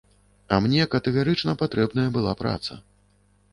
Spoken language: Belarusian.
А мне катэгарычна патрэбная была праца.